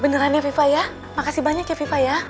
beneran ya afifah ya makasih banyak ya afifah ya